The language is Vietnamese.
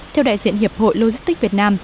theo đại diện hiệp hội logistics việt nam